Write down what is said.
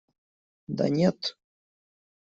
Да нет!